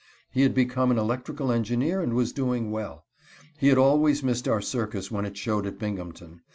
He had become an electrical engineer and was doing well. He had always missed our circus when it showed at Binghamton.